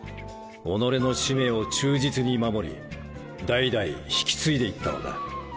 己の使命を忠実に守り代々引き継いで行ったのだ。